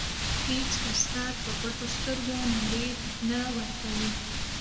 اېڅ استاد په پټو سترګو نومرې نه ورکوي.